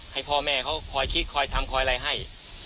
ให้พ่อแม่เขาคอยคิดคอยทำคอยอะไรให้